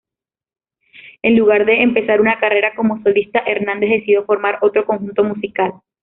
En lugar de empezar una carrera como solista, Hernández decidió formar otro conjunto musical.